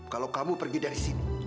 kalau kamu pergi dari sini